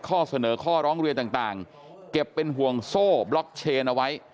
ข้อเสนอข้อร้องเรียนต่างเก็บเป็นห่วงโซ่บล็อกเชนเอาไว้